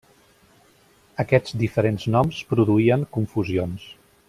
Aquests diferents noms produïen confusions.